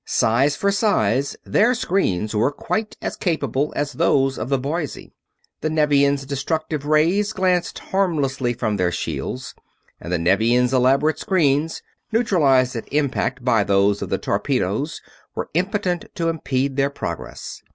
Size for size, their screens were quite as capable as those of the Boise. The Nevians' destructive rays glanced harmlessly from their shields, and the Nevians' elaborate screens, neutralized at impact by those of the torpedoes, were impotent to impede their progress.